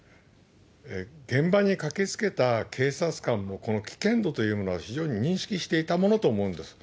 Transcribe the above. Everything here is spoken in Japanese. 現場に駆けつけた警察官も、この危険度というものは非常に認識していたものと思うんです。